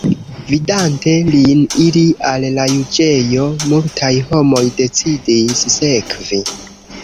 Vidante lin iri al la juĝejo, multaj homoj decidis sekvi.